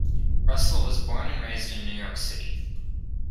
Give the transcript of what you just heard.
Russell was born and raised in New York City.